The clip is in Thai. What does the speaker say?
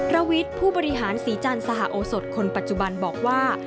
ระวิทย์ผู้บริหารศรีจันทร์สหโอสดคนปัจจุบันบอกว่า